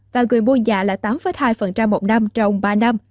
và người mua nhà là tám hai một năm trong ba năm